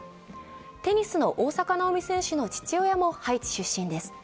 テニスの大坂なおみ選手の父親もハイチ出身です。